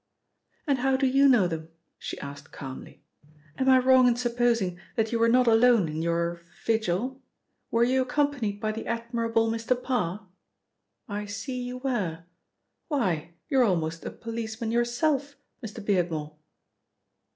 "And how do you know them?" she asked calmly. "Am I wrong in supposing that you were not alone in your vigil? Were you accompanied by the admirable Mr. Parr? I see you were. Why, you are almost a policeman yourself, Mr. Beardmore."